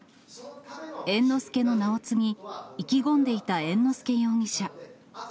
猿之助の名を継ぎ、意気込んでいた猿之助容疑者。